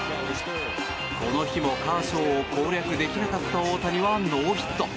この日もカーショーを攻略できなかった大谷はノーヒット。